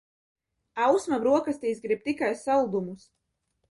Ausma brokastīs grib tikai saldumus